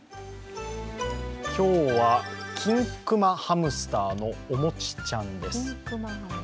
今日はキンクマハムスターのおもちちゃんです。